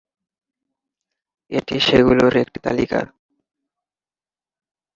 এটি সেগুলোর একটি তালিকা।